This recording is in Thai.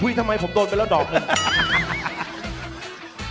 อุ๊ยทำไมผมโดนไปเร็วดอกเลย